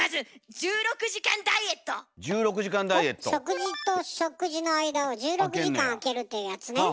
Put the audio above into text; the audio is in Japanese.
食事と食事の間を１６時間あけるっていうやつね。